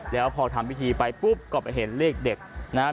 แล้วพอทำพิธีไปปุ๊บก็ไปเห็นเลขเด็ดนะครับ